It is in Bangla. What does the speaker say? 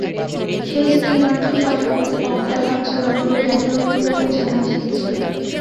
সেই স্টিমারটি সশব্দে পক্ষ সঞ্চালন করিয়া ঢেউ তুলিয়া উজানে আসিতেছিল।